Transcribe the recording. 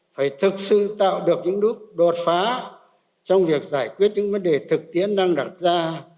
phải thực sự tạo được những lúc đột phá trong việc giải quyết những vấn đề thực tiễn đang đặt ra